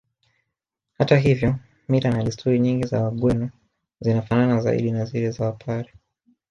Hata hivyo mila na desturi nyingi za Wagweno zinafanana zaidi na zile za Wapare